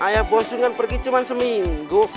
ayah bosun kan pergi cuman seminggu